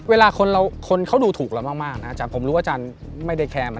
เวลาคนเขาดูถูกเรามากนะอาจารย์ผมรู้ว่าอาจารย์ไม่ได้แคม